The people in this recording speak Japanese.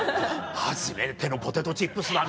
初めてのポテトチップスだ！みたいな。